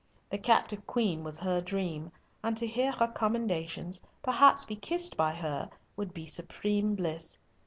The captive Queen was her dream, and to hear her commendations, perhaps be kissed by her, would be supreme bliss.